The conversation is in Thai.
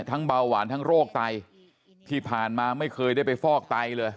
เบาหวานทั้งโรคไตที่ผ่านมาไม่เคยได้ไปฟอกไตเลย